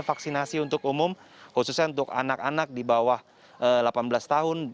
vaksinasi untuk umum khususnya untuk anak anak di bawah delapan belas tahun